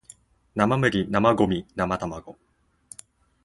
生麦生ゴミ生卵